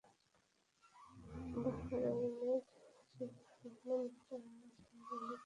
বাহরাইনের Sheikh Salman চান Sir Alex ফার্গুসনকে FIFA প্রশাসনে নিয়ে আসতে।